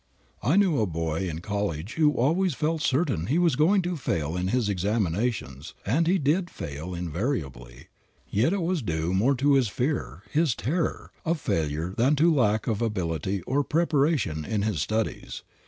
I knew a boy in college who always felt certain he was going to fail in his examinations, and he did fail invariably. Yet it was due more to his fear, his terror, of failure than to a lack of ability or preparation in his studies.